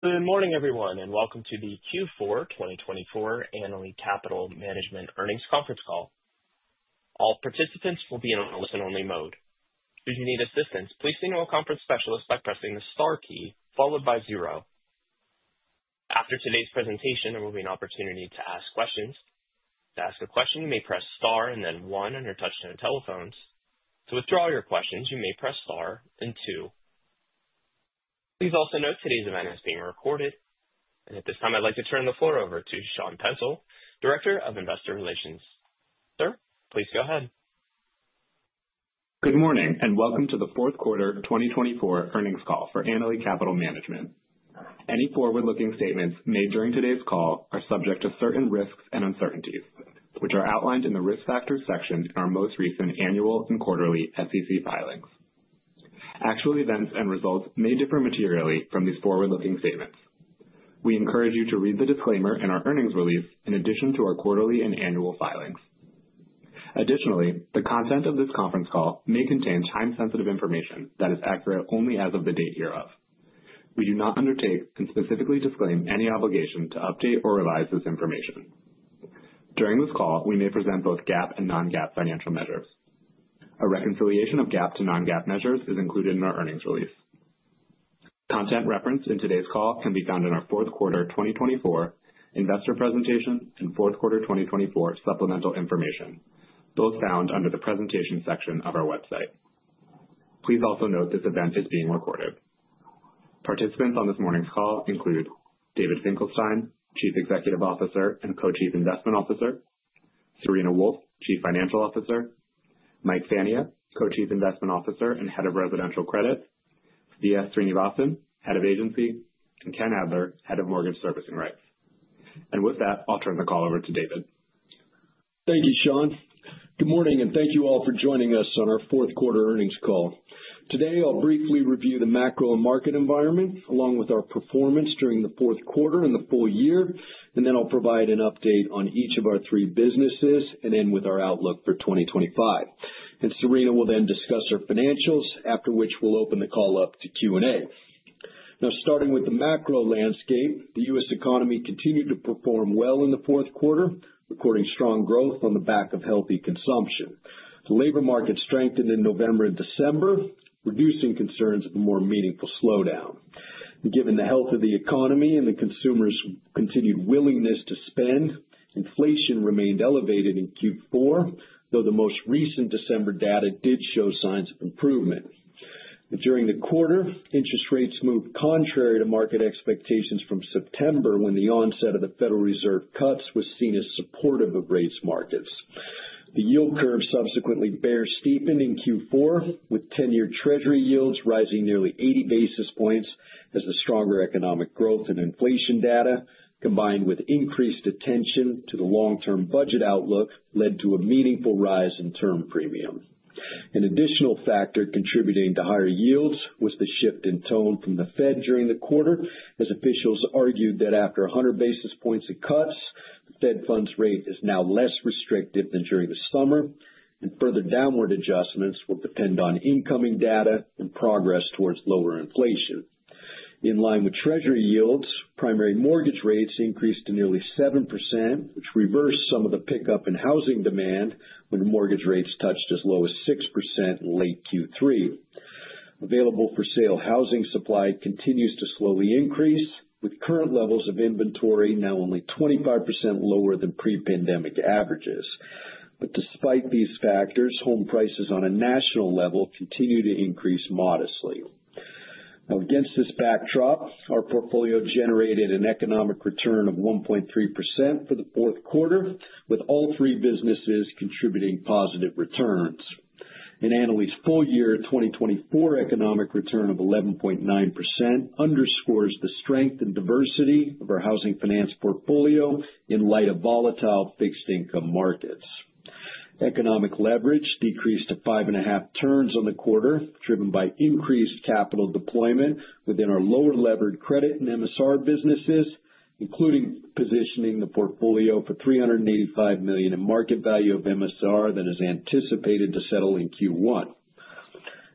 Good morning, everyone, and welcome to the Q4 2024 Annaly Capital Management Earnings Conference Call. All participants will be in a listen-only mode. Should you need assistance, please signal a conference specialist by pressing the star key followed by zero. After today's presentation, there will be an opportunity to ask questions. To ask a question, you may press star and then one on your touch-tone telephones. To withdraw your questions, you may press star and two. Please also note today's event is being recorded. And at this time, I'd like to turn the floor over to Sean Kensil, Director of Investor Relations. Sir, please go ahead. Good morning and welcome to the fourth quarter 2024 earnings call for Annaly Capital Management. Any forward-looking statements made during today's call are subject to certain risks and uncertainties, which are outlined in the risk factors section in our most recent annual and quarterly SEC filings. Actual events and results may differ materially from these forward-looking statements. We encourage you to read the disclaimer in our earnings release in addition to our quarterly and annual filings. Additionally, the content of this conference call may contain time-sensitive information that is accurate only as of the date hereof. We do not undertake and specifically disclaim any obligation to update or revise this information. During this call, we may present both GAAP and non-GAAP financial measures. A reconciliation of GAAP to non-GAAP measures is included in our earnings release. Content referenced in today's call can be found in our fourth quarter 2024 investor presentation and fourth quarter 2024 supplemental information, both found under the presentation section of our website. Please also note this event is being recorded. Participants on this morning's call include David Finkelstein, Chief Executive Officer and Co-Chief Investment Officer, Serena Wolfe, Chief Financial Officer, Mike Fania, Co-Chief Investment Officer and Head of Residential Credit, V.S. Srinivasan, Head of Agency, and Ken Adler, Head of Mortgage Servicing Rights, and with that, I'll turn the call over to David. Thank you, Sean. Good morning and thank you all for joining us on our fourth quarter earnings call. Today, I'll briefly review the macro and market environment along with our performance during the fourth quarter and the full year, and then I'll provide an update on each of our three businesses and end with our outlook for 2025. And Serena will then discuss her financials, after which we'll open the call up to Q&A. Now, starting with the macro landscape, the U.S. economy continued to perform well in the fourth quarter, recording strong growth on the back of healthy consumption. The labor market strengthened in November and December, reducing concerns of a more meaningful slowdown. Given the health of the economy and the consumers' continued willingness to spend, inflation remained elevated in Q4, though the most recent December data did show signs of improvement. During the quarter, interest rates moved contrary to market expectations from September when the onset of the Federal Reserve cuts was seen as supportive of rates markets. The yield curve subsequently bear steepened in Q4, with 10-year Treasury yields rising nearly 80 basis points as the stronger economic growth and inflation data, combined with increased attention to the long-term budget outlook, led to a meaningful rise in term premium. An additional factor contributing to higher yields was the shift in tone from the Fed during the quarter, as officials argued that after 100 basis points of cuts, the Fed funds rate is now less restrictive than during the summer, and further downward adjustments will depend on incoming data and progress towards lower inflation. In line with Treasury yields, primary mortgage rates increased to nearly 7%, which reversed some of the pickup in housing demand when mortgage rates touched as low as 6% in late Q3. Available-for-sale housing supply continues to slowly increase, with current levels of inventory now only 25% lower than pre-pandemic averages. But despite these factors, home prices on a national level continue to increase modestly. Now, against this backdrop, our portfolio generated an economic return of 1.3% for the fourth quarter, with all three businesses contributing positive returns. In Annaly's full year, 2024 economic return of 11.9% underscores the strength and diversity of our housing finance portfolio in light of volatile fixed income markets. Economic leverage decreased to five and a half turns on the quarter, driven by increased capital deployment within our lower levered credit and MSR businesses, including positioning the portfolio for $385 million in market value of MSR that is anticipated to settle in Q1.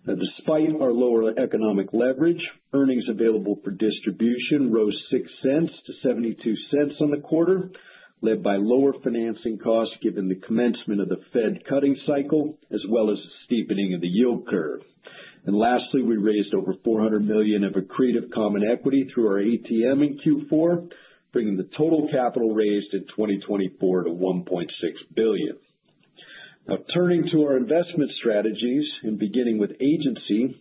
Now, despite our lower economic leverage, earnings available for distribution rose $0.06-$0.72 on the quarter, led by lower financing costs given the commencement of the Fed cutting cycle, as well as the steepening of the yield curve. And lastly, we raised over $400 million of accretive common equity through our ATM in Q4, bringing the total capital raised in 2024 to $1.6 billion. Now, turning to our investment strategies and beginning with agency,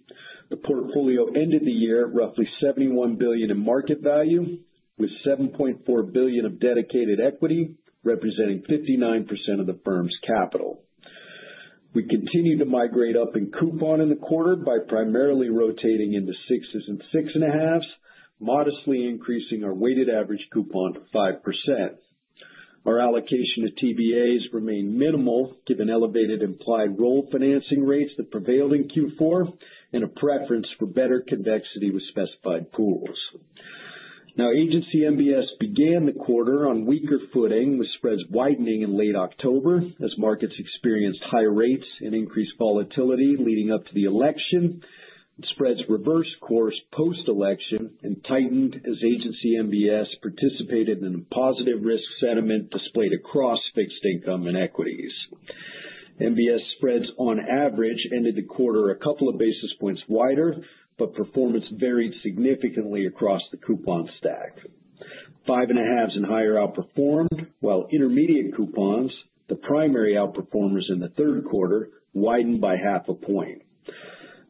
the portfolio ended the year at roughly $71 billion in market value, with $7.4 billion of dedicated equity representing 59% of the firm's capital. We continued to migrate up in coupon in the quarter by primarily rotating into sixes and six and a halves, modestly increasing our weighted average coupon to 5%. Our allocation to TBAs remained minimal given elevated implied roll financing rates that prevailed in Q4 and a preference for better convexity with specified pools. Now, Agency MBS began the quarter on weaker footing with spreads widening in late October as markets experienced high rates and increased volatility leading up to the election. Spreads reversed course post-election and tightened as Agency MBS participated in a positive risk sentiment displayed across fixed income and equities. MBS spreads on average ended the quarter a couple of basis points wider, but performance varied significantly across the coupon stack. Five-and-a-halves and higher outperformed, while intermediate coupons, the primary outperformers in the third quarter, widened by half a point.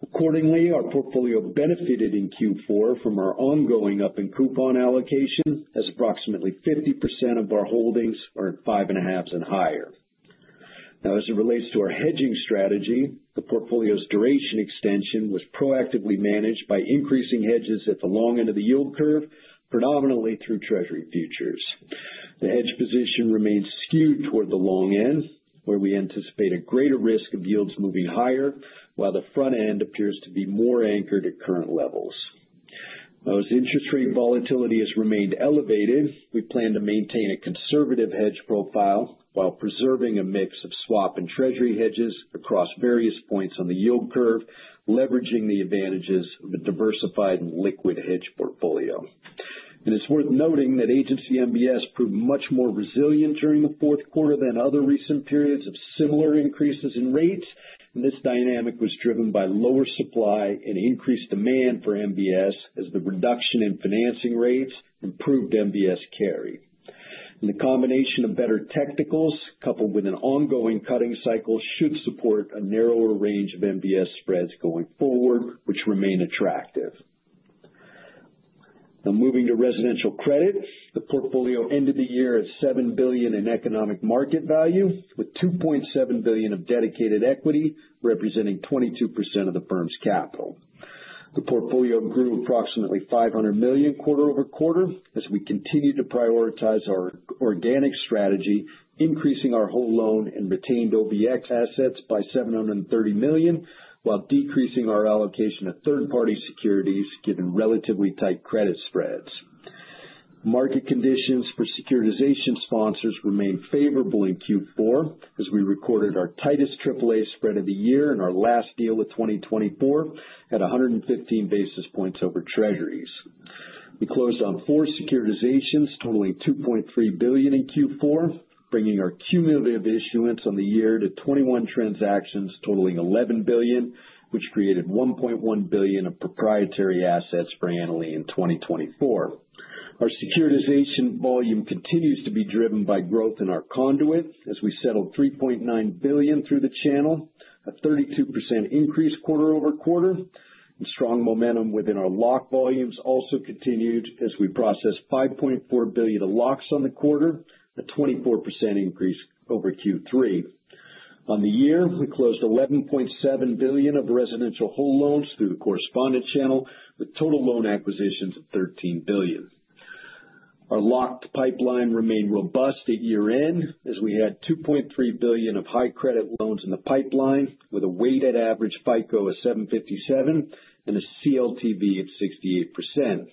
Accordingly, our portfolio benefited in Q4 from our ongoing up-in-coupon allocation as approximately 50% of our holdings are at five and a halfs and higher. Now, as it relates to our hedging strategy, the portfolio's duration extension was proactively managed by increasing hedges at the long end of the yield curve, predominantly through Treasury futures. The hedge position remains skewed toward the long end, where we anticipate a greater risk of yields moving higher, while the front end appears to be more anchored at current levels. As interest rate volatility has remained elevated, we plan to maintain a conservative hedge profile while preserving a mix of swap and Treasury hedges across various points on the yield curve, leveraging the advantages of a diversified and liquid hedge portfolio. And it's worth noting that Agency MBS proved much more resilient during the fourth quarter than other recent periods of similar increases in rates. And this dynamic was driven by lower supply and increased demand for MBS as the reduction in financing rates improved MBS carry. And the combination of better technicals coupled with an ongoing cutting cycle should support a narrower range of MBS spreads going forward, which remain attractive. Now, moving to residential credit, the portfolio ended the year at $7 billion in economic market value, with $2.7 billion of dedicated equity representing 22% of the firm's capital. The portfolio grew approximately $500 million quarter over quarter as we continued to prioritize our organic strategy, increasing our whole loan and retained OBX assets by $730 million, while decreasing our allocation of third-party securities given relatively tight credit spreads. Market conditions for securitization sponsors remained favorable in Q4 as we recorded our tightest AAA spread of the year in our last deal of 2024 at 115 basis points over Treasuries. We closed on four securitizations totaling $2.3 billion in Q4, bringing our cumulative issuance on the year to 21 transactions totaling $11 billion, which created $1.1 billion of proprietary assets for Annaly in 2024. Our securitization volume continues to be driven by growth in our conduit as we settled $3.9 billion through the channel, a 32% increase quarter over quarter. And strong momentum within our lock volumes also continued as we processed $5.4 billion of locks on the quarter, a 24% increase over Q3. On the year, we closed $11.7 billion of residential whole loans through the correspondent channel, with total loan acquisitions of $13 billion. Our locked pipeline remained robust at year-end as we had $2.3 billion of high credit loans in the pipeline, with a weighted average FICO of 757 and a CLTV of 68%.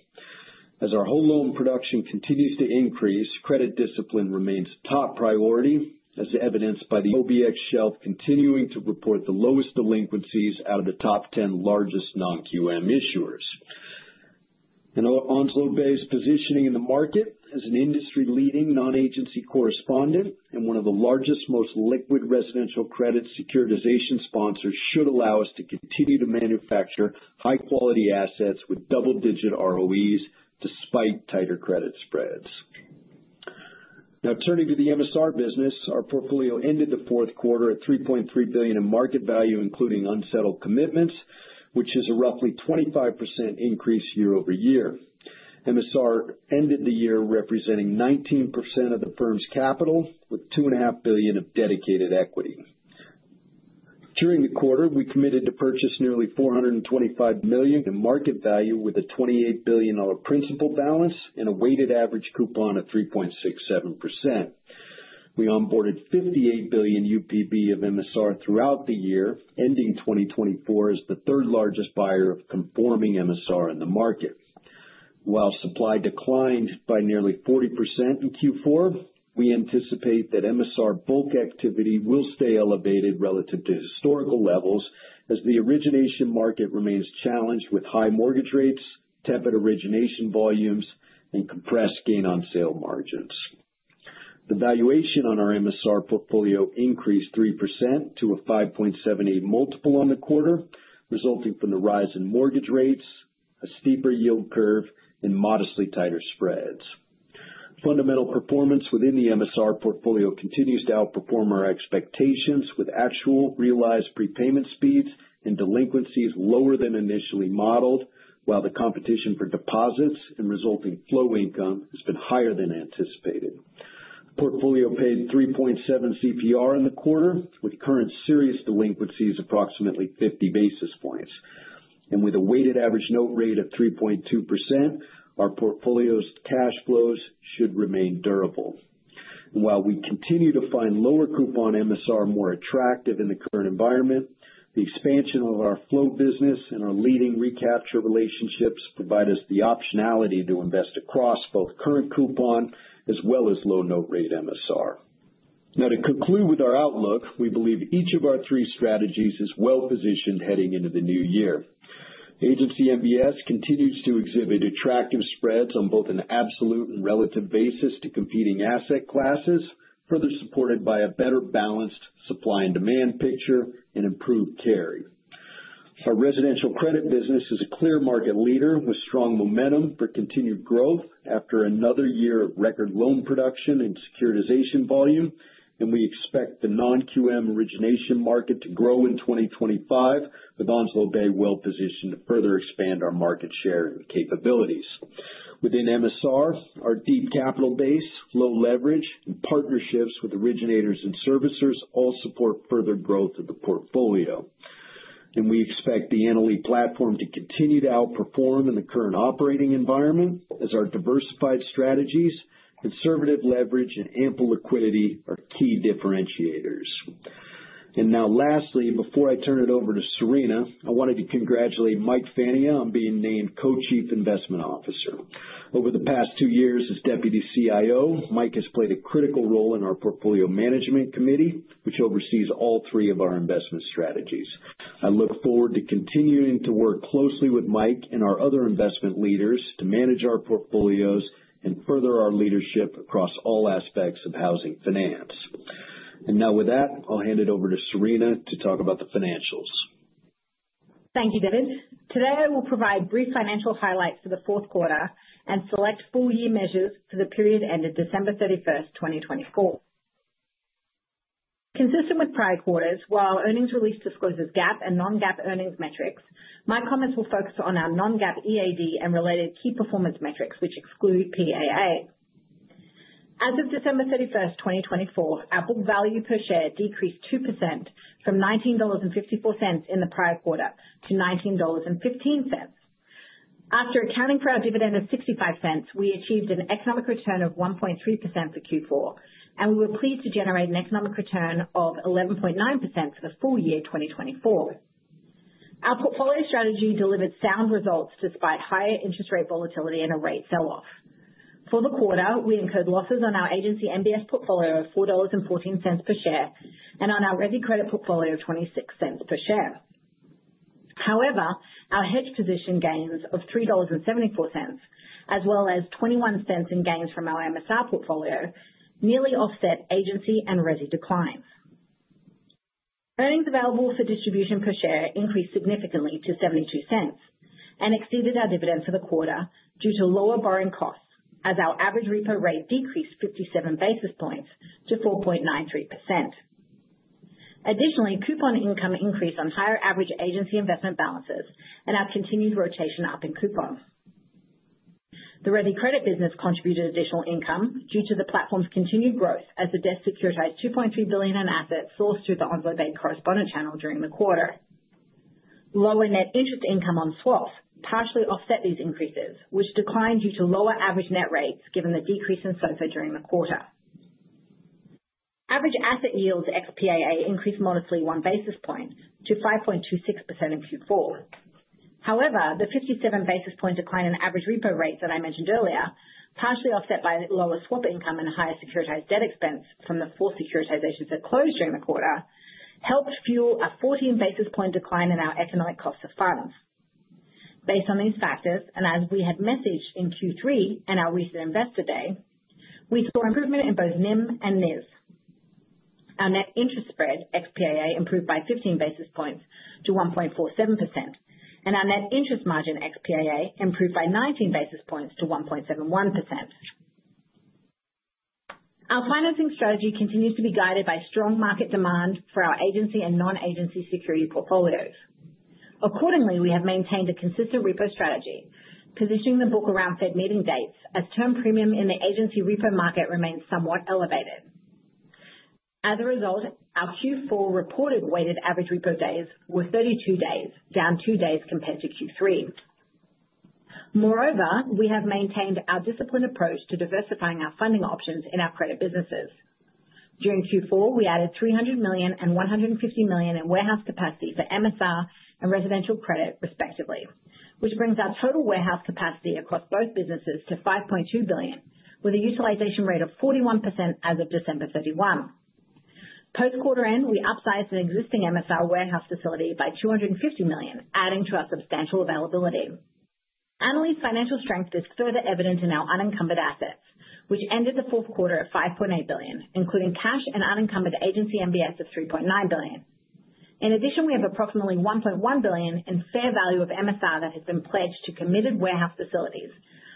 As our whole loan production continues to increase, credit discipline remains a top priority, as evidenced by the OBX shelf continuing to report the lowest delinquencies out of the top 10 largest non-QM issuers. Our Onslow Bay's positioning in the market as an industry-leading non-agency correspondent and one of the largest, most liquid residential credit securitization sponsors should allow us to continue to manufacture high-quality assets with double-digit ROEs despite tighter credit spreads. Now, turning to the MSR business, our portfolio ended the fourth quarter at $3.3 billion in market value, including unsettled commitments, which is a roughly 25% increase year over year. MSR ended the year representing 19% of the firm's capital, with $2.5 billion of dedicated equity. During the quarter, we committed to purchase nearly $425 million in market value with a $28 billion principal balance and a weighted average coupon of 3.67%. We onboarded $58 billion UPB of MSR throughout the year, ending 2024 as the third largest buyer of conforming MSR in the market. While supply declined by nearly 40% in Q4, we anticipate that MSR bulk activity will stay elevated relative to historical levels as the origination market remains challenged with high mortgage rates, tepid origination volumes, and compressed gain-on-sale margins. The valuation on our MSR portfolio increased 3% to a 5.78 multiple on the quarter, resulting from the rise in mortgage rates, a steeper yield curve, and modestly tighter spreads. Fundamental performance within the MSR portfolio continues to outperform our expectations, with actual realized prepayment speeds and delinquencies lower than initially modeled, while the competition for deposits and resulting flow income has been higher than anticipated. Portfolio paid 3.7 CPR in the quarter, with current serious delinquencies approximately 50 basis points, and with a weighted average note rate of 3.2%, our portfolio's cash flows should remain durable, and while we continue to find lower coupon MSR more attractive in the current environment, the expansion of our float business and our leading recapture relationships provide us the optionality to invest across both current coupon as well as low note rate MSR. Now, to conclude with our outlook, we believe each of our three strategies is well-positioned heading into the new year. Agency MBS continues to exhibit attractive spreads on both an absolute and relative basis to competing asset classes, further supported by a better balanced supply and demand picture and improved carry. Our residential credit business is a clear market leader with strong momentum for continued growth after another year of record loan production and securitization volume, and we expect the non-QM origination market to grow in 2025, with Onslow Bay well-positioned to further expand our market share and capabilities. Within MSR, our deep capital base, low leverage, and partnerships with originators and servicers all support further growth of the portfolio. And we expect the Annaly platform to continue to outperform in the current operating environment as our diversified strategies, conservative leverage, and ample liquidity are key differentiators. And now, lastly, before I turn it over to Serena, I wanted to congratulate Mike Fania on being named Co-Chief Investment Officer. Over the past two years as Deputy CIO, Mike has played a critical role in our portfolio management committee, which oversees all three of our investment strategies. I look forward to continuing to work closely with Mike and our other investment leaders to manage our portfolios and further our leadership across all aspects of housing finance. And now, with that, I'll hand it over to Serena to talk about the financials. Thank you, David. Today, we'll provide brief financial highlights for the fourth quarter and select full-year measures for the period ended December 31st, 2024. Consistent with prior quarters, while earnings release discloses GAAP and non-GAAP earnings metrics, my comments will focus on our non-GAAP EAD and related key performance metrics, which exclude PAA. As of December 31st, 2024, our book value per share decreased 2% from $19.54 in the prior quarter to $19.15. After accounting for our dividend of $0.65, we achieved an economic return of 1.3% for Q4, and we were pleased to generate an economic return of 11.9% for the full year 2024. Our portfolio strategy delivered sound results despite higher interest rate volatility and a rate sell-off. For the quarter, we incurred losses on our Agency MBS portfolio of $4.14 per share and on our Resi credit portfolio of $0.26 per share. However, our hedge position gains of $3.74, as well as $0.21 in gains from our MSR portfolio, nearly offset agency and Resi declines. Earnings available for distribution per share increased significantly to $0.72 and exceeded our dividend for the quarter due to lower borrowing costs as our average repo rate decreased 57 basis points to 4.93%. Additionally, coupon income increased on higher average agency investment balances and our continued rotation up in coupons. The Resi credit business contributed additional income due to the platform's continued growth as we securitized $2.3 billion in assets sourced through the Onslow Bay correspondent channel during the quarter. Lower net interest income on swaps partially offset these increases, which declined due to lower average net rates given the decrease in SOFR during the quarter. Average asset yields ex-PAA increased modestly one basis point to 5.26% in Q4. However, the 57 basis point decline in average repo rates that I mentioned earlier, partially offset by lower swap income and higher securitized debt expense from the four securitizations that closed during the quarter, helped fuel a 14 basis point decline in our economic cost of funds. Based on these factors, and as we had messaged in Q3 and our recent investor day, we saw improvement in both NIM and NIS. Our net interest spread ex-PAA improved by 15 basis points to 1.47%, and our net interest margin ex-PAA improved by 19 basis points to 1.71%. Our financing strategy continues to be guided by strong market demand for our agency and non-agency security portfolios. Accordingly, we have maintained a consistent repo strategy, positioning the book around Fed meeting dates as term premium in the agency repo market remains somewhat elevated. As a result, our Q4 reported weighted average repo days were 32 days, down two days compared to Q3. Moreover, we have maintained our disciplined approach to diversifying our funding options in our credit businesses. During Q4, we added $300 million and $150 million in warehouse capacity for MSR and residential credit, respectively, which brings our total warehouse capacity across both businesses to $5.2 billion, with a utilization rate of 41% as of December 31. Post-quarter end, we upsized an existing MSR warehouse facility by $250 million, adding to our substantial availability. Annaly's financial strength is further evident in our unencumbered assets, which ended the fourth quarter at $5.8 billion, including cash and unencumbered Agency MBS of $3.9 billion. In addition, we have approximately $1.1 billion in fair value of MSR that has been pledged to committed warehouse facilities,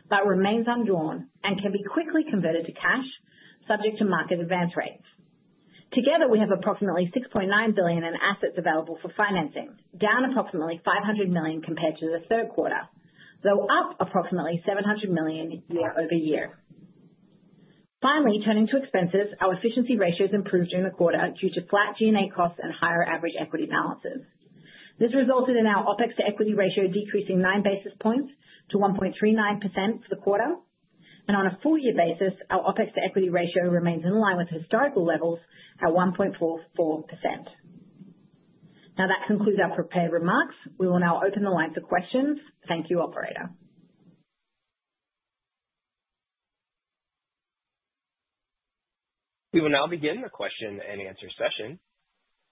but remains undrawn and can be quickly converted to cash, subject to market advance rates. Together, we have approximately $6.9 billion in assets available for financing, down approximately $500 million compared to the third quarter, though up approximately $700 million year-over-year. Finally, turning to expenses, our efficiency ratios improved during the quarter due to flat G&A costs and higher average equity balances. This resulted in our OpEx to equity ratio decreasing 9 basis points to 1.39% for the quarter. And on a full-year basis, our OpEx to equity ratio remains in line with historical levels at 1.44%. Now, that concludes our prepared remarks. We will now open the line for questions. Thank you, Operator. We will now begin the question and answer session.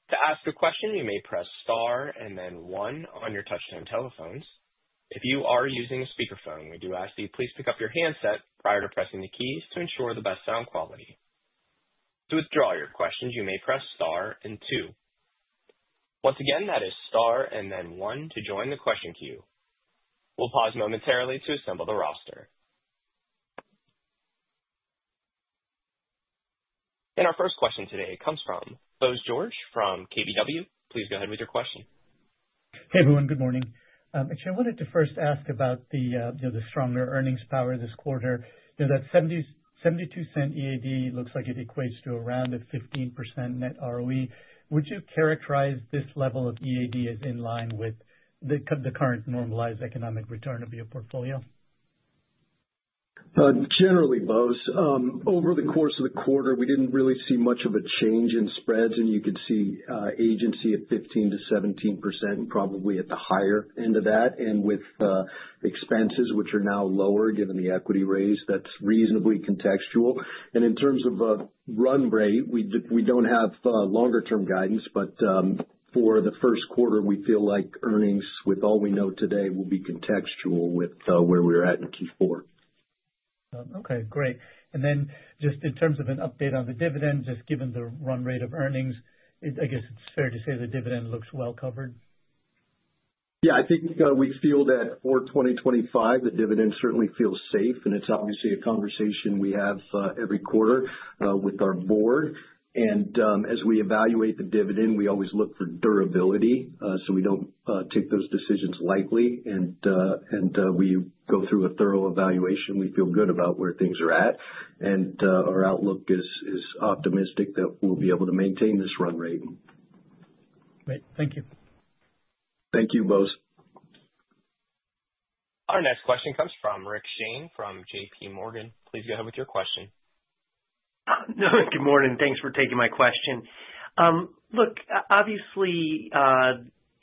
To ask a question, you may press star, then one on your touch-tone telephones. If you are using a speakerphone, we do ask that you please pick up your handset prior to pressing the keys to ensure the best sound quality. To withdraw your question, you may press star, then two. Once again, that is star, then one to join the question queue. We'll pause momentarily to assemble the roster. And our first question today comes from Bose George from KBW. Please go ahead with your question. Hey, everyone. Good morning. Actually, I wanted to first ask about the stronger earnings power this quarter. That $0.72 EAD looks like it equates to around a 15% net ROE. Would you characterize this level of EAD as in line with the current normalized economic return of your portfolio? Generally, both. Over the course of the quarter, we didn't really see much of a change in spreads, and you could see agency at 15%-17%, probably at the higher end of that. And with expenses, which are now lower given the equity raise, that's reasonably contextual. And in terms of run rate, we don't have longer-term guidance, but for the first quarter, we feel like earnings, with all we know today, will be contextual with where we were at in Q4. Okay. Great. And then just in terms of an update on the dividend, just given the run rate of earnings, I guess it's fair to say the dividend looks well covered? Yeah. I think we feel that for 2025, the dividend certainly feels safe, and it's obviously a conversation we have every quarter with our board, and as we evaluate the dividend, we always look for durability, so we don't take those decisions lightly, and we go through a thorough evaluation. We feel good about where things are at, and our outlook is optimistic that we'll be able to maintain this run rate. Great. Thank you. Thank you, Bose. Our next question comes from Rick Shane from J.P. Morgan. Please go ahead with your question. Good morning. Thanks for taking my question. Look, obviously,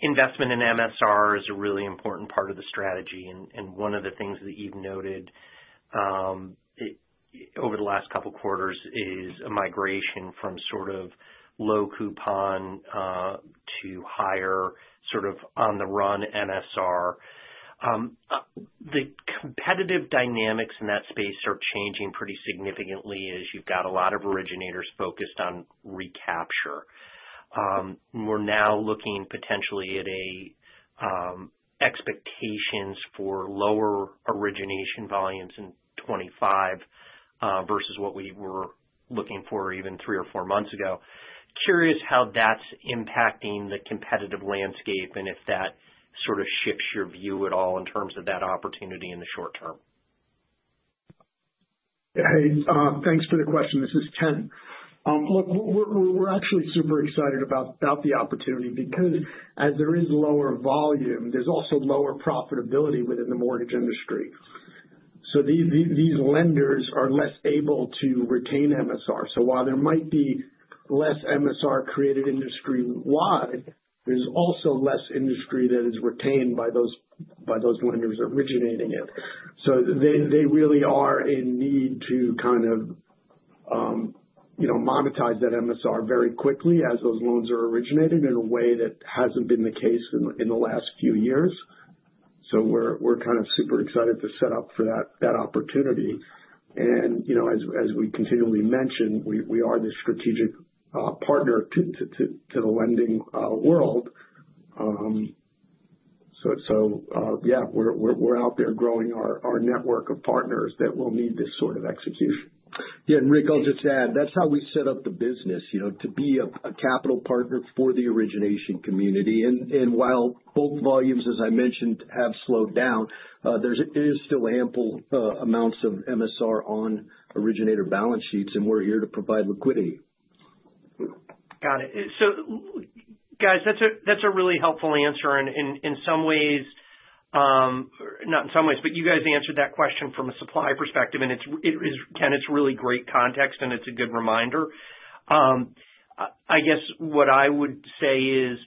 investment in MSR is a really important part of the strategy, and one of the things that you've noted over the last couple of quarters is a migration from sort of low coupon to higher sort of on-the-run MSR. The competitive dynamics in that space are changing pretty significantly as you've got a lot of originators focused on recapture. We're now looking potentially at expectations for lower origination volumes in 2025 versus what we were looking for even three or four months ago. Curious how that's impacting the competitive landscape and if that sort of shifts your view at all in terms of that opportunity in the short term. Hey, thanks for the question. This is Ken. Look, we're actually super excited about the opportunity because as there is lower volume, there's also lower profitability within the mortgage industry. So these lenders are less able to retain MSR. So while there might be less MSR created industry-wide, there's also less industry that is retained by those lenders originating it. So they really are in need to kind of monetize that MSR very quickly as those loans are originated in a way that hasn't been the case in the last few years. So we're kind of super excited to set up for that opportunity. And as we continually mentioned, we are the strategic partner to the lending world. So yeah, we're out there growing our network of partners that will need this sort of execution. Yeah. And Rick, I'll just add, that's how we set up the business, to be a capital partner for the origination community. And while both volumes, as I mentioned, have slowed down, there is still ample amounts of MSR on originator balance sheets, and we're here to provide liquidity. Got it. So guys, that's a really helpful answer. In some ways, not in some ways, but you guys answered that question from a supply perspective. Again, it's really great context, and it's a good reminder. I guess what I would say is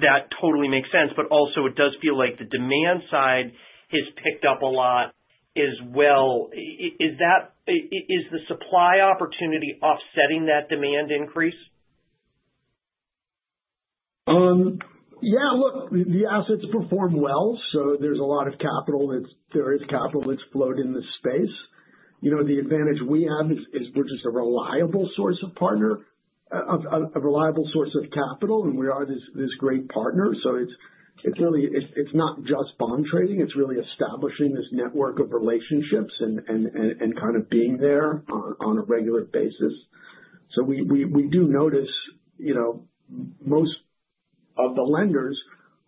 that totally makes sense, but also it does feel like the demand side has picked up a lot as well. Is the supply opportunity offsetting that demand increase? Yeah. Look, the assets perform well. So there's a lot of capital. There is capital that's flowed in the space. The advantage we have is we're just a reliable source of partner, a reliable source of capital, and we are this great partner. So it's not just bond trading. It's really establishing this network of relationships and kind of being there on a regular basis. So we do notice most of the lenders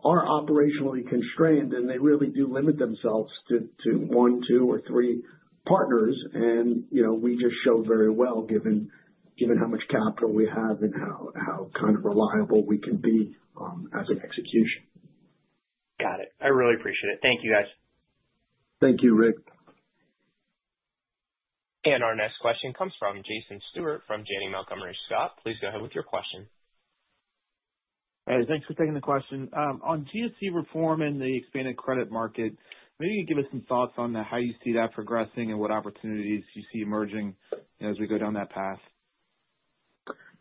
are operationally constrained, and they really do limit themselves to one, two, or three partners. And we just show very well given how much capital we have and how kind of reliable we can be as an execution. Got it. I really appreciate it. Thank you, guys. Thank you, Rick. And our next question comes from Jason Stewart from Janney Montgomery Scott. Please go ahead with your question. Hey, thanks for taking the question. On GSE reform and the expanded credit market, maybe you can give us some thoughts on how you see that progressing and what opportunities you see emerging as we go down that path.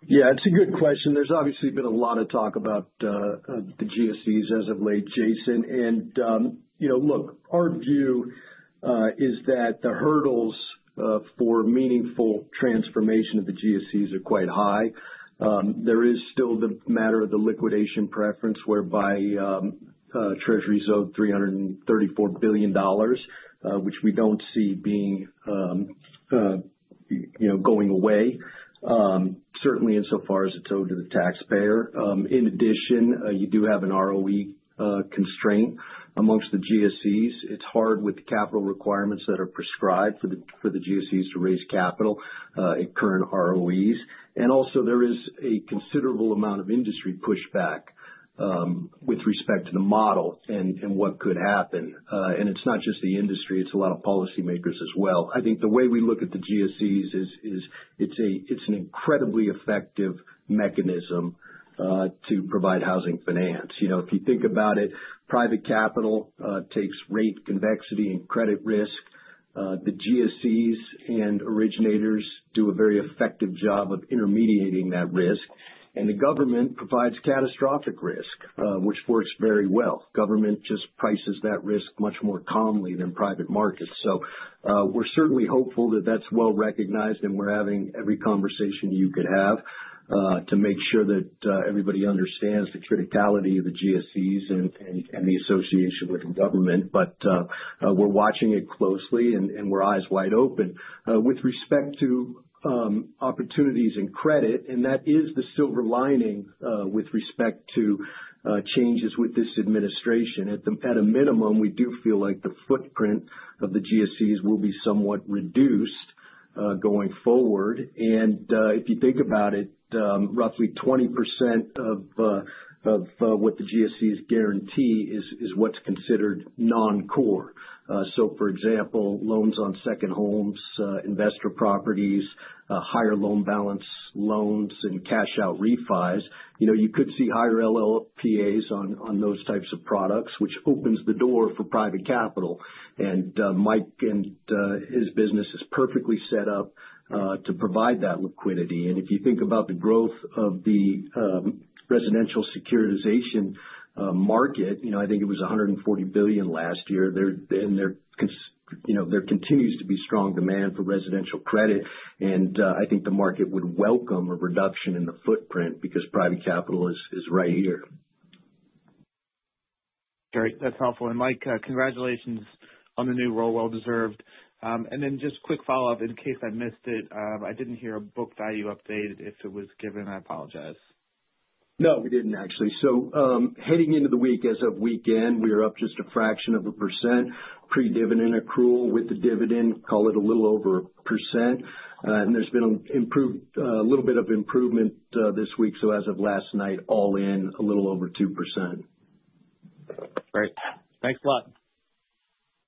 Yeah. It's a good question. There's obviously been a lot of talk about the GSEs as of late, Jason. Look, our view is that the hurdles for meaningful transformation of the GSEs are quite high. There is still the matter of the liquidation preference whereby Treasuries owed $334 billion, which we don't see being going away, certainly insofar as it's owed to the taxpayer. In addition, you do have an ROE constraint amongst the GSEs. It's hard with the capital requirements that are prescribed for the GSEs to raise capital at current ROEs. Also, there is a considerable amount of industry pushback with respect to the model and what could happen. It's not just the industry. It's a lot of policymakers as well. I think the way we look at the GSEs is it's an incredibly effective mechanism to provide housing finance. If you think about it, private capital takes rate convexity and credit risk. The GSEs and originators do a very effective job of intermediating that risk. And the government provides catastrophic risk, which works very well. Government just prices that risk much more calmly than private markets. So we're certainly hopeful that that's well recognized, and we're having every conversation you could have to make sure that everybody understands the criticality of the GSEs and the association with the government. But we're watching it closely, and we're eyes wide open with respect to opportunities in credit. And that is the silver lining with respect to changes with this administration. At a minimum, we do feel like the footprint of the GSEs will be somewhat reduced going forward. And if you think about it, roughly 20% of what the GSEs guarantee is what's considered non-core. So for example, loans on second homes, investor properties, higher loan balance loans, and cash-out refis. You could see higher LLPAs on those types of products, which opens the door for private capital, and Mike and his business is perfectly set up to provide that liquidity, and if you think about the growth of the residential securitization market, I think it was $140 billion last year, and there continues to be strong demand for residential credit, and I think the market would welcome a reduction in the footprint because private capital is right here. Great. That's helpful, and Mike, congratulations on the new role, well deserved, and then just quick follow-up in case I missed it. I didn't hear a book value update if it was given. I apologize. No, we didn't, actually, so heading into the week, as of weekend, we are up just a fraction of a percent. Pre-dividend accrual with the dividend, call it a little over a percent. And there's been a little bit of improvement this week. So as of last night, all in, a little over 2%. Great. Thanks a lot.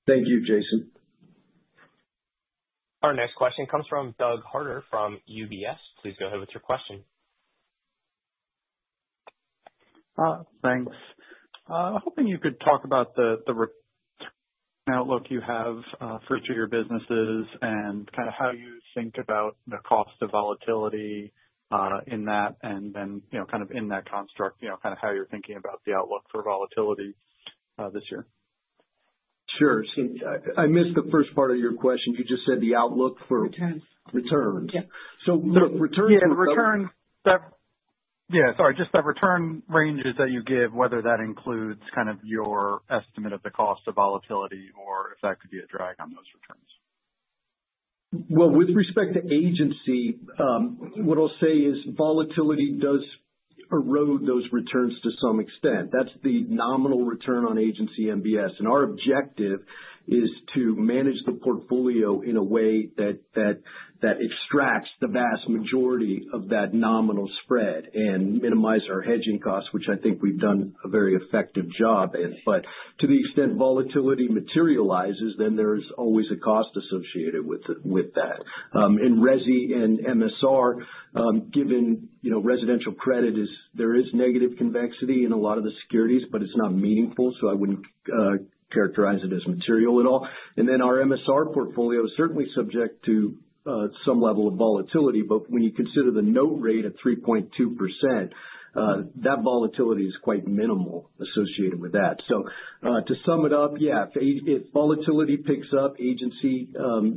Thank you, Jason. Our next question comes from Douglas Harter from UBS. Please go ahead with your question. Thanks. I'm hoping you could talk about the outlook you have for each of your businesses and kind of how you think about the cost of volatility in that and then kind of in that construct, kind of how you're thinking about the outlook for volatility this year. Sure. So I missed the first part of your question. You just said the outlook for returns. Returns. Yeah. So returns for volatility. Yeah. Yeah. Sorry. Just the return ranges that you give, whether that includes kind of your estimate of the cost of volatility or if that could be a drag on those returns. With respect to Agency, what I'll say is volatility does erode those returns to some extent. That's the nominal return on Agency MBS. Our objective is to manage the portfolio in a way that extracts the vast majority of that nominal spread and minimize our hedging costs, which I think we've done a very effective job in. To the extent volatility materializes, then there is always a cost associated with that. In Resi and MSR, given residential credit, there is negative convexity in a lot of the securities, but it's not meaningful. I wouldn't characterize it as material at all. Our MSR portfolio is certainly subject to some level of volatility. When you consider the note rate at 3.2%, that volatility is quite minimal associated with that. To sum it up, yeah, if volatility picks up, Agency,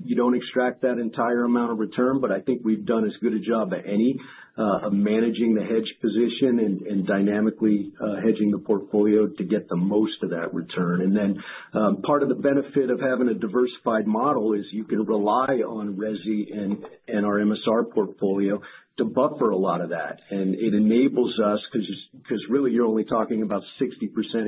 you don't extract that entire amount of return. But I think we've done as good a job as any managing the hedge position and dynamically hedging the portfolio to get the most of that return. And then part of the benefit of having a diversified model is you can rely on Resi and our MSR portfolio to buffer a lot of that. And it enables us because really you're only talking about 60%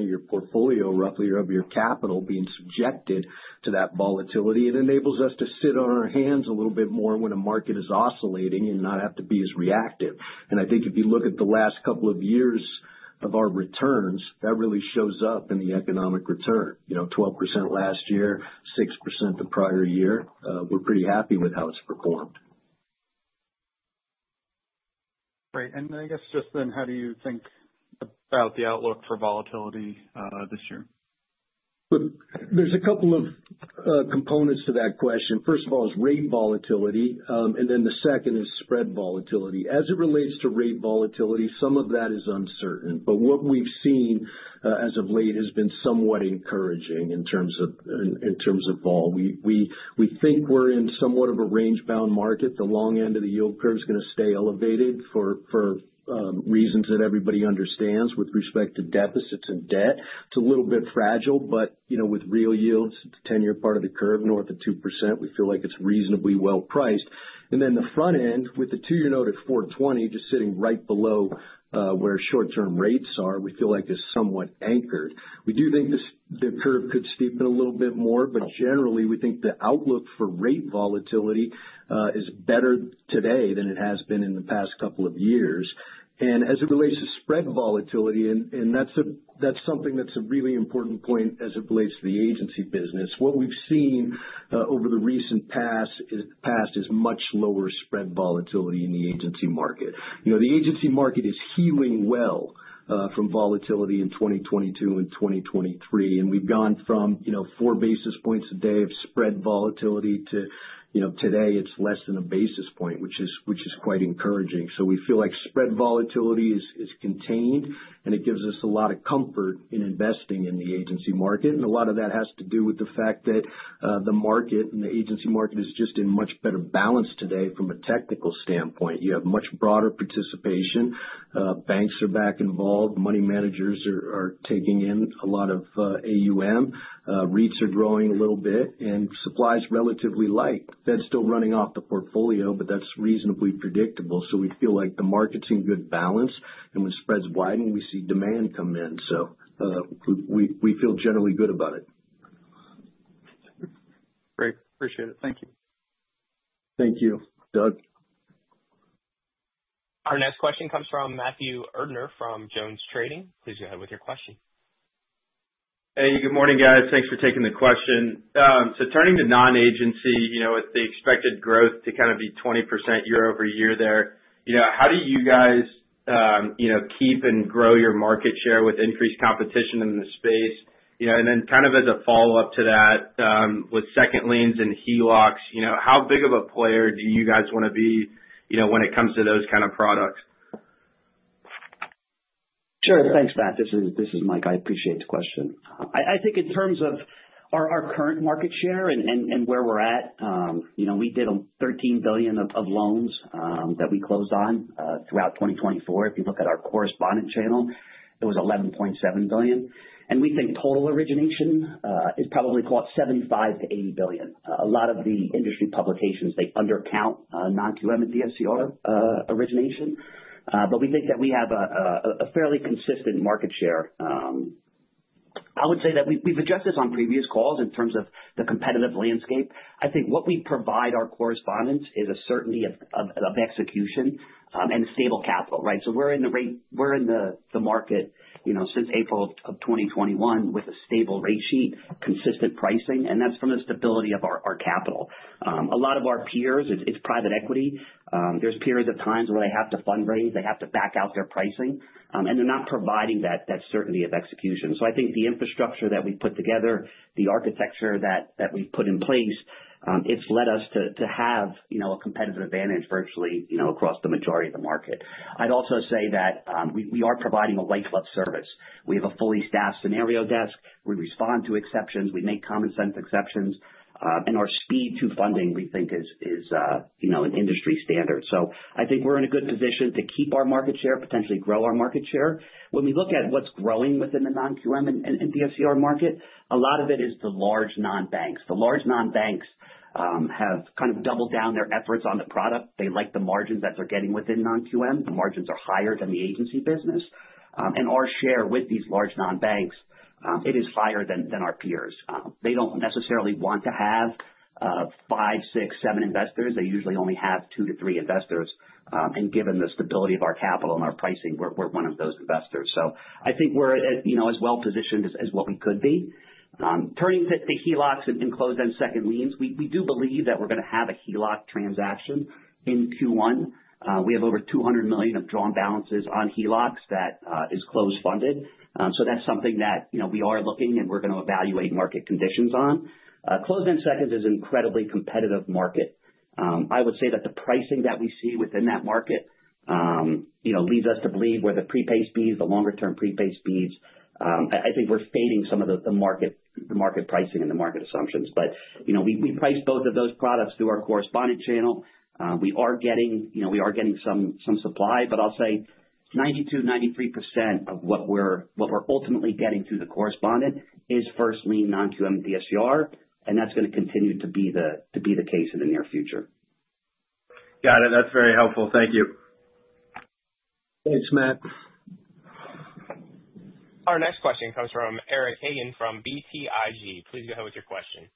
of your portfolio, roughly, of your capital being subjected to that volatility. It enables us to sit on our hands a little bit more when a market is oscillating and not have to be as reactive. And I think if you look at the last couple of years of our returns, that really shows up in the economic return. 12% last year, 6% the prior year. We're pretty happy with how it's performed. Great. And I guess just then, how do you think about the outlook for volatility this year? There's a couple of components to that question. First of all, it's rate volatility. And then the second is spread volatility. As it relates to rate volatility, some of that is uncertain. But what we've seen as of late has been somewhat encouraging in terms of vol. We think we're in somewhat of a range-bound market. The long end of the yield curve is going to stay elevated for reasons that everybody understands with respect to deficits and debt. It's a little bit fragile, but with real yields, the 10-year part of the curve north of 2%, we feel like it's reasonably well priced. Then the front end with the two-year note at 420, just sitting right below where short-term rates are, we feel like is somewhat anchored. We do think the curve could steepen a little bit more, but generally, we think the outlook for rate volatility is better today than it has been in the past couple of years. As it relates to spread volatility, and that's something that's a really important point as it relates to the Agency business, what we've seen over the recent past is much lower spread volatility in the agency market. The agency market is healing well from volatility in 2022 and 2023. We've gone from four basis points a day of spread volatility to today, it's less than a basis point, which is quite encouraging. So we feel like spread volatility is contained, and it gives us a lot of comfort in investing in the agency market. And a lot of that has to do with the fact that the market and the agency market is just in much better balance today from a technical standpoint. You have much broader participation. Banks are back involved. Money managers are taking in a lot of AUM. REITs are growing a little bit, and supply is relatively light. Fed's still running off the portfolio, but that's reasonably predictable. So we feel like the market's in good balance. And when spreads widen, we see demand come in. So we feel generally good about it. Great. Appreciate it. Thank you. Thank you, Doug. Our next question comes from Matthew Erdner from JonesTrading. Please go ahead with your question. Hey, good morning, guys. Thanks for taking the question. So turning to non-agency, with the expected growth to kind of be 20% year over year there, how do you guys keep and grow your market share with increased competition in the space? And then kind of as a follow-up to that, with second liens and HELOCs, how big of a player do you guys want to be when it comes to those kind of products? Sure. Thanks, Matt. This is Mike. I appreciate the question. I think in terms of our current market share and where we're at, we did $13 billion of loans that we closed on throughout 2024. If you look at our correspondent channel, it was $11.7 billion. And we think total origination is probably about $75-$80 billion. A lot of the industry publications, they undercount non-QM and DSCR origination. But we think that we have a fairly consistent market share. I would say that we've addressed this on previous calls in terms of the competitive landscape. I think what we provide our correspondents is a certainty of execution and stable capital, right? So we're in the market since April of 2021 with a stable rate sheet, consistent pricing, and that's from the stability of our capital. A lot of our peers, it's private equity. There's periods of times where they have to fundraise. They have to back out their pricing, and they're not providing that certainty of execution, so I think the infrastructure that we've put together, the architecture that we've put in place, it's led us to have a competitive advantage virtually across the majority of the market. I'd also say that we are providing a white glove service. We have a fully staffed scenario desk. We respond to exceptions. We make common sense exceptions. Our speed to funding, we think, is an industry standard. So I think we're in a good position to keep our market share, potentially grow our market share. When we look at what's growing within the non-QM and DSCR market, a lot of it is the large non-banks. The large non-banks have kind of doubled down their efforts on the product. They like the margins that they're getting within non-QM. The margins are higher than the agency business. And our share with these large non-banks, it is higher than our peers. They don't necessarily want to have five, six, seven investors. They usually only have two to three investors. And given the stability of our capital and our pricing, we're one of those investors. So I think we're as well positioned as what we could be. Turning to HELOCs and closed-end seconds, we do believe that we're going to have a HELOCs transaction in Q1. We have over $200 million of drawn balances on HELOCs that is closed and funded. So that's something that we are looking and we're going to evaluate market conditions on. Closed-end seconds is an incredibly competitive market. I would say that the pricing that we see within that market leads us to believe where the prepay speeds, the longer-term prepay speeds, I think we're fading some of the market pricing and the market assumptions. But we price both of those products through our correspondent channel. We are getting some supply, but I'll say 92%-93% of what we're ultimately getting through the correspondent is primarily non-QM and DSCR. And that's going to continue to be the case in the near future. Got it. That's very helpful. Thank you. Thanks, Matt. Our next question comes from Eric Hagen from BTIG. Please go ahead with your question.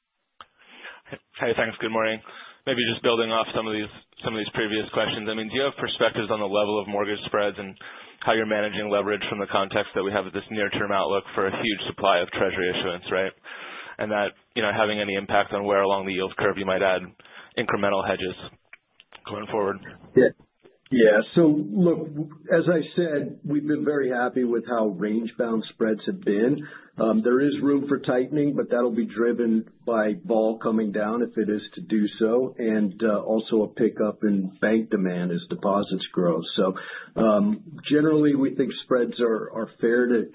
Hey, thanks. Good morning. Maybe just building off some of these previous questions. I mean, do you have perspectives on the level of mortgage spreads and how you're managing leverage from the context that we have with this near-term outlook for a huge supply of treasury issuance, right? And that having any impact on where along the yield curve you might add incremental hedges going forward? Yeah. Look, as I said, we've been very happy with how range-bound spreads have been. There is room for tightening, but that'll be driven by vol coming down if it is to do so, and also a pickup in bank demand as deposits grow. Generally, we think spreads are fair to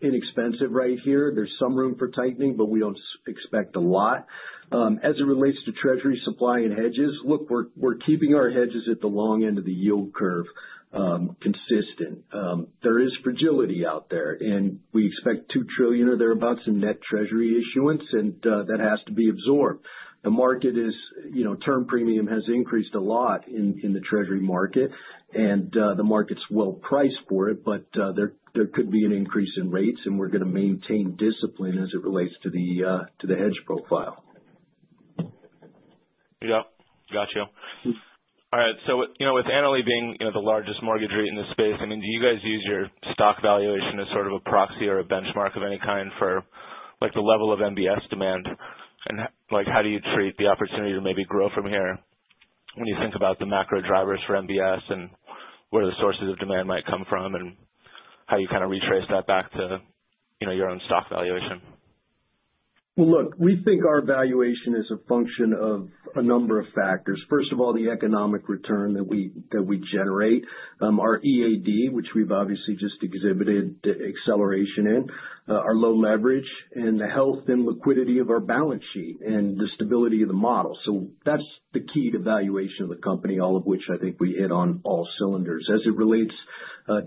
inexpensive right here. There's some room for tightening, but we don't expect a lot. As it relates to treasury supply and hedges, look, we're keeping our hedges at the long end of the yield curve consistent. There is fragility out there, and we expect two trillion or thereabouts in net treasury issuance, and that has to be absorbed. The market's term premium has increased a lot in the treasury market, and the market's well priced for it, but there could be an increase in rates, and we're going to maintain discipline as it relates to the hedge profile. Yeah. Gotcha. All right, so with Annaly being the largest mortgage REIT in this space, I mean, do you guys use your stock valuation as sort of a proxy or a benchmark of any kind for the level of MBS demand? And how do you treat the opportunity to maybe grow from here when you think about the macro drivers for MBS and where the sources of demand might come from and how you kind of retrace that back to your own stock valuation? Well, look, we think our valuation is a function of a number of factors. First of all, the economic return that we generate, our EAD, which we've obviously just exhibited acceleration in, our low leverage, and the health and liquidity of our balance sheet and the stability of the model. So that's the key to valuation of the company, all of which I think we hit on all cylinders. As it relates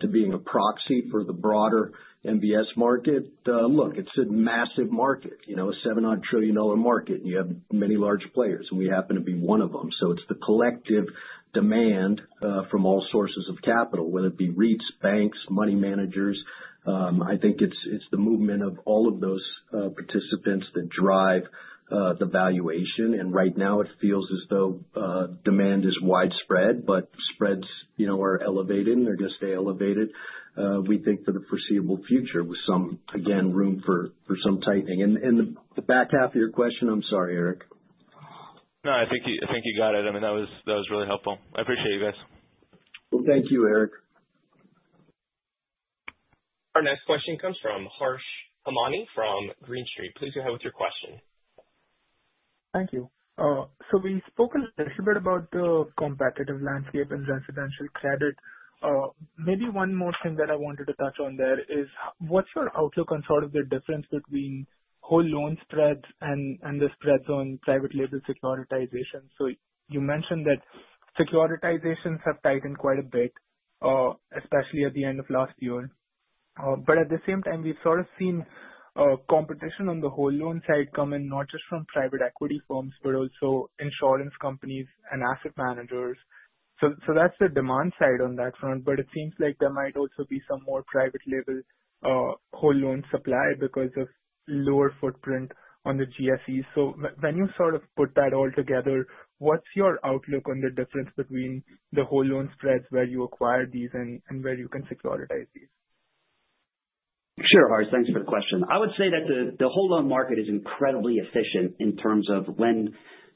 to being a proxy for the broader MBS market, look, it's a massive market, a $7-odd trillion market, and you have many large players. And we happen to be one of them. So it's the collective demand from all sources of capital, whether it be REITs, banks, money managers. I think it's the movement of all of those participants that drive the valuation. And right now, it feels as though demand is widespread, but spreads are elevated, and they're going to stay elevated. We think for the foreseeable future, with some, again, room for some tightening. And the back half of your question, I'm sorry, Eric. No, I think you got it. I mean, that was really helpful. I appreciate you guys. Well, thank you, Eric. Our next question comes from Harsh Hemnani from Green Street. Please go ahead with your question. Thank you. So we spoke a little bit about the competitive landscape and residential credit. Maybe one more thing that I wanted to touch on there is what's your outlook on sort of the difference between whole loan spreads and the spreads on private label securitization? So you mentioned that securitizations have tightened quite a bit, especially at the end of last year. But at the same time, we've sort of seen competition on the whole loan side come in, not just from private equity firms, but also insurance companies and asset managers. So that's the demand side on that front. But it seems like there might also be some more private label whole loan supply because of lower footprint on the GSE. So when you sort of put that all together, what's your outlook on the difference between the whole loan spreads where you acquire these and where you can securitize these? Sure, Harsh. Thanks for the question. I would say that the whole loan market is incredibly efficient in terms of when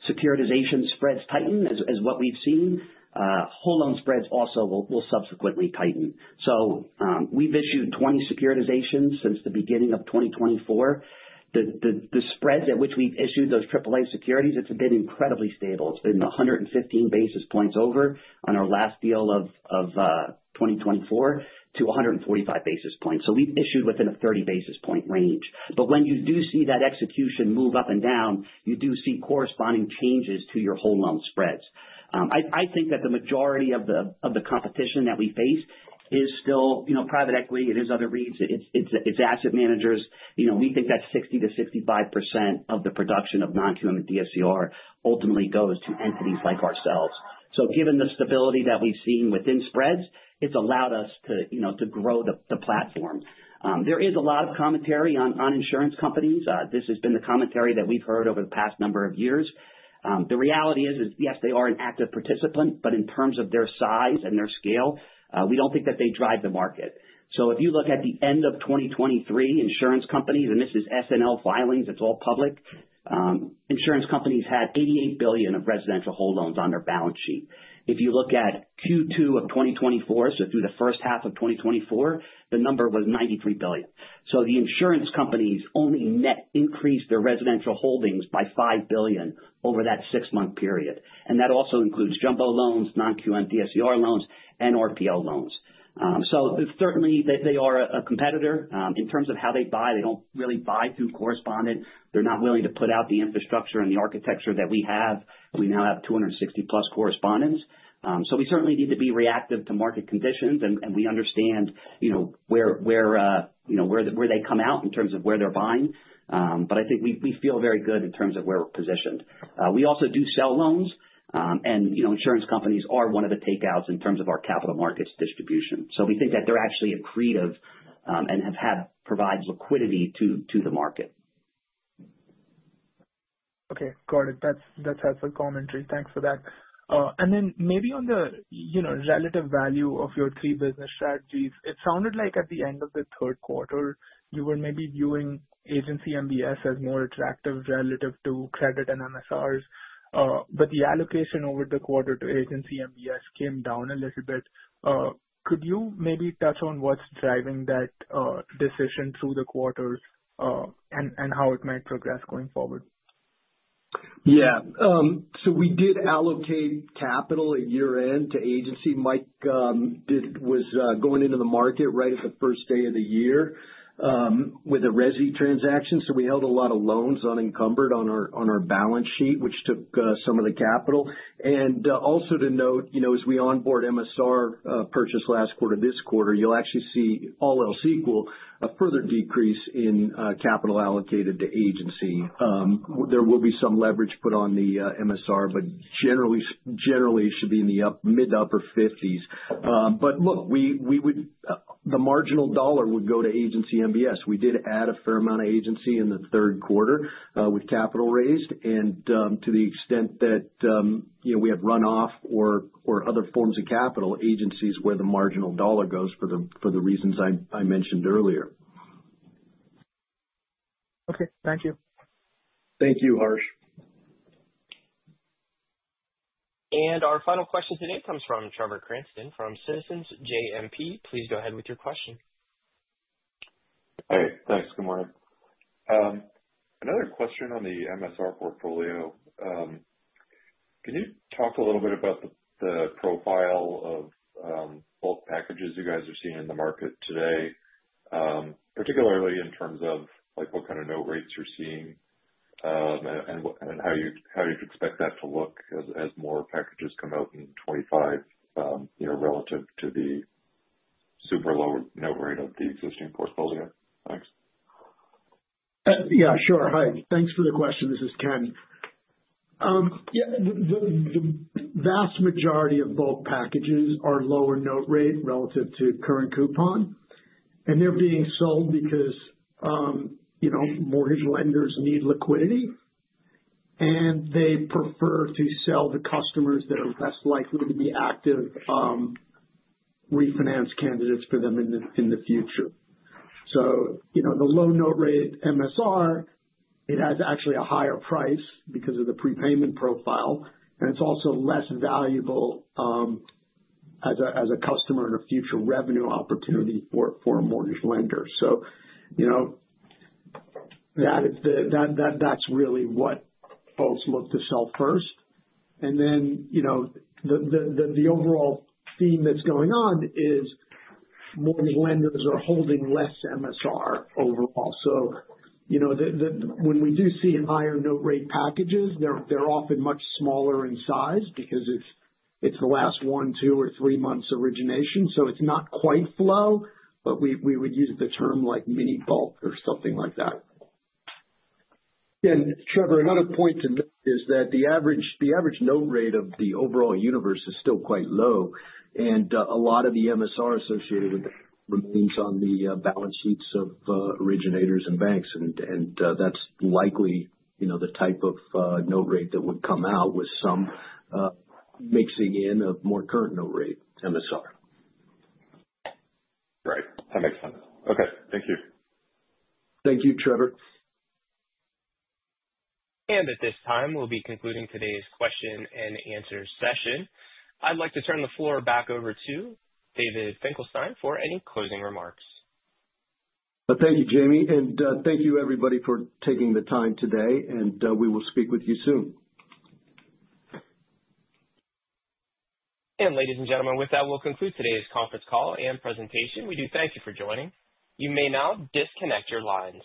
securitization spreads tighten as what we've seen. Whole loan spreads also will subsequently tighten. So we've issued 20 securitizations since the beginning of 2024. The spreads at which we've issued those AAA securities. It's been incredibly stable. It's been 115 basis points over on our last deal of 2024 to 145 basis points. So we've issued within a 30 basis point range. But when you do see that execution move up and down, you do see corresponding changes to your whole loan spreads. I think that the majority of the competition that we face is still private equity. It is other REITs. It's asset managers. We think that 60%-65% of the production of non-QM and DSCR ultimately goes to entities like ourselves. Given the stability that we've seen within spreads, it's allowed us to grow the platform. There is a lot of commentary on insurance companies. This has been the commentary that we've heard over the past number of years. The reality is, yes, they are an active participant, but in terms of their size and their scale, we don't think that they drive the market. If you look at the end of 2023, insurance companies, and this is SNL filings. It's all public. Insurance companies had $88 billion of residential whole loans on their balance sheet. If you look at Q2 of 2024, so through the first half of 2024, the number was $93 billion. So the insurance companies only net increased their residential holdings by $5 billion over that six-month period. And that also includes jumbo loans, non-QM, DSCR loans, and RPO loans. So certainly, they are a competitor. In terms of how they buy, they don't really buy through correspondent. They're not willing to put out the infrastructure and the architecture that we have. We now have 260+ correspondents. So we certainly need to be reactive to market conditions, and we understand where they come out in terms of where they're buying. But I think we feel very good in terms of where we're positioned. We also do sell loans, and insurance companies are one of the takeouts in terms of our capital markets distribution. So we think that they're actually accretive and have provided liquidity to the market. Okay. Got it. That's helpful commentary. Thanks for that. And then maybe on the relative value of your three business strategies, it sounded like at the end of the third quarter, you were maybe viewing Agency MBS as more attractive relative to credit and MSRs. But the allocation over the quarter to Agency MBS came down a little bit. Could you maybe touch on what's driving that decision through the quarters and how it might progress going forward? Yeah. So we did allocate capital at year-end to agency. Mike was going into the market right at the first day of the year with a Resi transaction. So we held a lot of loans unencumbered on our balance sheet, which took some of the capital. And also to note, as we onboard MSR purchase last quarter, this quarter, you'll actually see all else equal, a further decrease in capital allocated to agency. There will be some leverage put on the MSR, but generally, it should be in the mid-upper 50s. But look, the marginal dollar would go to Agency MBS. We did add a fair amount of agency in the third quarter with capital raised. And to the extent that we have runoff or other forms of capital, agency is where the marginal dollar goes for the reasons I mentioned earlier. Okay. Thank you. Thank you, Harsh. And our final question today comes from Trevor Cranston from Citizens JMP. Please go ahead with your question. Hey. Thanks. Good morning. Another question on the MSR portfolio. Can you talk a little bit about the profile of bulk packages you guys are seeing in the market today, particularly in terms of what kind of note rates you're seeing and how you'd expect that to look as more packages come out in 2025 relative to the super low note rate of the existing portfolio? Thanks. Yeah, sure. Hi. Thanks for the question. This is Ken. Yeah. The vast majority of bulk packages are lower note rate relative to current coupon. And they're being sold because mortgage lenders need liquidity, and they prefer to sell to customers that are less likely to be active refinance candidates for them in the future. So the low note rate MSR, it has actually a higher price because of the prepayment profile. And it's also less valuable as a customer and a future revenue opportunity for a mortgage lender. So that's really what folks look to sell first. And then the overall theme that's going on is mortgage lenders are holding less MSR overall. So when we do see higher note rate packages, they're often much smaller in size because it's the last one, two, or three months' origination. So it's not quite flow, but we would use the term like mini bulk or something like that. And Trevor, another point to note is that the average note rate of the overall universe is still quite low. And a lot of the MSR associated with it remains on the balance sheets of originators and banks. And that's likely the type of note rate that would come out with some mixing in of more current note rate MSR. Right. That makes sense. Okay. Thank you. Thank you, Trevor. And at this time, we'll be concluding today's question and answer session. I'd like to turn the floor back over to David Finkelstein for any closing remarks. Thank you, Jamie. And thank you, everybody, for taking the time today. And we will speak with you soon. And ladies and gentlemen, with that, we'll conclude today's conference call and presentation. We do thank you for joining. You may now disconnect your lines.